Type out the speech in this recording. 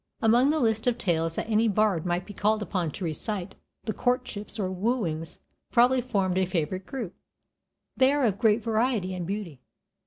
Among the list of tales that any bard might be called upon to recite, the "Courtships" or "Wooings" probably formed a favorite group; they are of great variety and beauty.